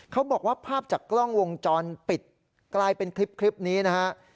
เขาบอกว่าภาพจากกล้องวงจรปิดกลายเป็นคลิปนี้นะฮะ